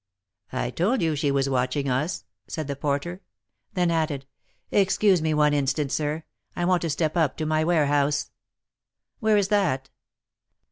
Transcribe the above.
"I told you she was watching us," said the porter. Then added, "Excuse me one instant, sir; I want to step up to my warehouse." "Where is that?"